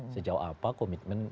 sejauh apa komitmen aniesnya